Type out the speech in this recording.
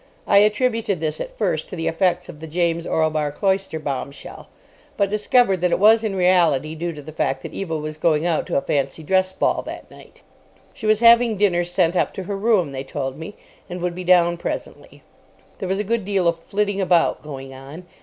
I attributed this at first to the effects of the James Orlebar Cloyster bomb shell, but discovered that it was in reality due to the fact that Eva was going out to a fancy dress ball that night. She was having dinner sent up to her room, they told me, and would be down presently. There was a good deal of flitting about going on.